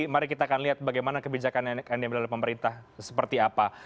mari kita akan lihat bagaimana kebijakan yang diambil oleh pemerintah seperti apa